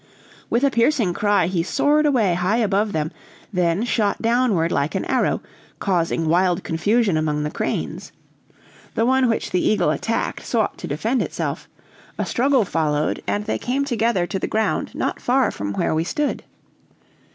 "With a piercing cry he soared away high above them, then shot downward like an arrow, causing wild confusion among the cranes. The one which the eagle attacked sought to defend itself; a struggle followed, and they came together to the ground not far from where we stood.